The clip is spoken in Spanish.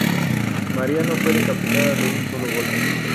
María no fue decapitada de un solo golpe.